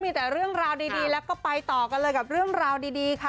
มีแต่เรื่องราวดีแล้วก็ไปต่อกันเลยกับเรื่องราวดีค่ะ